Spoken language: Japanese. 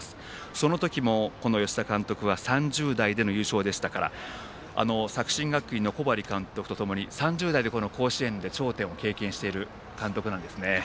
その時も吉田監督は３０代での優勝でしたから作新学院の小針監督とともに３０代でこの甲子園で頂点を経験している監督なんですね。